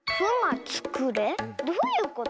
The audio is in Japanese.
どういうこと？